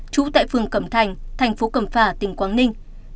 trú tại phường cẩm thành thành phố cẩm phả tỉnh quảng ninh